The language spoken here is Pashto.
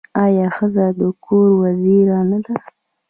آیا ښځه د کور وزیره نه ده؟